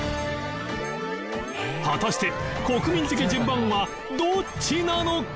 果たして国民的順番はどっちなのか？